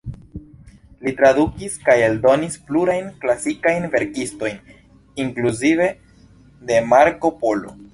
Li tradukis kaj eldonis plurajn klasikajn verkistojn, inkluzive de Marko Polo.